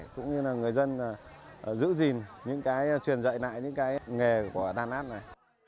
cũng như là người dân giữ gìn những cái truyền dạy lại những cái nghề của đan lát này